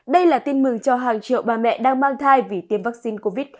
đây là tin mừng cho hàng triệu bà mẹ đang mang thai vì tiêm vaccine covid